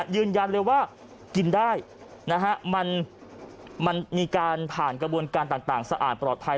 ยืนยันเลยว่ากินได้มันมีการผ่านกระบวนการต่างสะอาดปลอดภัย